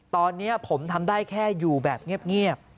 ตอนนี้ผมทำได้แค่อยู่แบบเงียบ